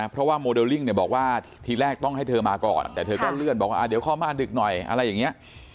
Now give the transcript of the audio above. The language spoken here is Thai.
เพราะว่าโมเดลลิ่งเนี่ยบอกว่าทีแรกต้องให้เธอมาก่อนแต่เธอก็เลื่อนบอกว่าเดี๋ยวเข้ามาดึกหน่อยอะไรอย่างนี้